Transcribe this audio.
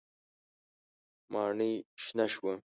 ماڼۍ شنه شوه.